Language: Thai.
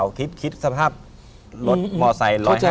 นี่ค่ะ